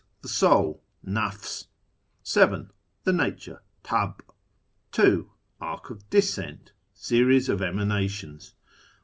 The soul (Nafs). 7. The nature {TaJf). 11. Arc of Descent. Series of Emanations.